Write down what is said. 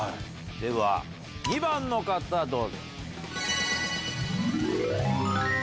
では２番の方どうぞ。